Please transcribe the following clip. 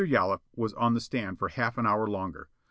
Yollop was on the stand for half an hour longer.